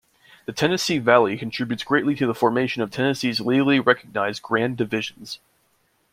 The Tennessee Valley contributes greatly to the formation of Tennessee's legally recognized Grand Divisions.